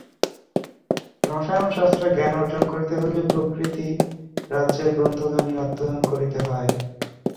রসায়নশাস্ত্রে জ্ঞান অর্জন করিতে হইলে প্রকৃতি-রাজ্যের গ্রন্থখানি অধ্যয়ন করিতে হয়।